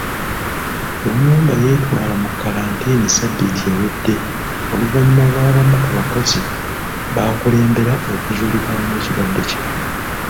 Lumumba yeetwala mu kalantiini ssabbiiti ewedde oluvannyuma lw'abamu ku bakozi b'akulembera okuzuulibwamu ekirwadde kino.